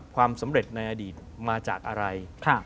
ความสำเร็จในอดีตมาจากอะไร